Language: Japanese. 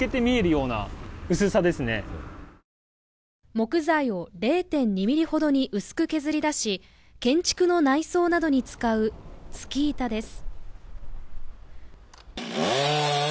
木材を０．２ｍｍほどに薄く削り出し、建築の内装などに使うツキ板です。